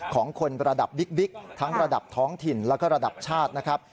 ของคนระดับบิ๊กทั้งระดับท้องถิ่นแล้วก็ระดับชาตินะครับ